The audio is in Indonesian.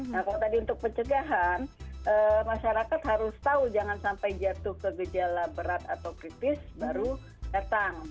nah kalau tadi untuk pencegahan masyarakat harus tahu jangan sampai jatuh ke gejala berat atau kritis baru datang